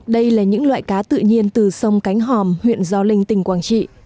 đây là những loại cá tự nhiên từ sông cánh hòm huyện gio linh tỉnh quảng trị